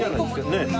ねえ。